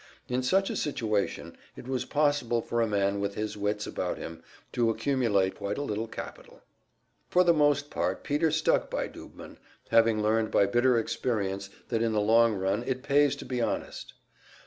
In such a situation it was possible for a man with his wits about him to accumulate quite a little capital. For the most part Peter stuck by Doobman; having learned by bitter experience that in the long run it pays to be honest.